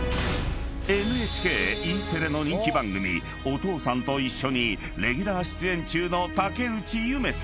［ＮＨＫＥテレの人気番組『おとうさんといっしょ』にレギュラー出演中の竹内夢さん］